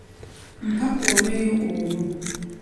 Mpa olweyo olwo.